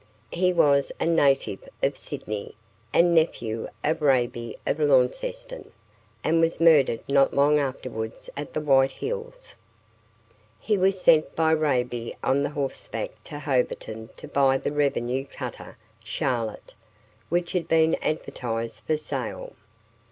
He was a native of Sydney, and nephew of Raibey of Launceston, and was murdered not long afterwards at the White Hills. He was sent by Raibey on horseback to Hobarton to buy the revenue cutter 'Charlotte', which had been advertised for sale.